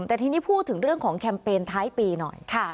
แต่ทีนี้พูดถึงเรื่องของแคมเปญท้ายปีหน่อย